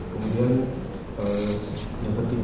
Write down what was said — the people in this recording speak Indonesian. kemudian yang ketiga